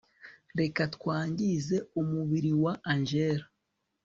reka twangize umubiri wa angella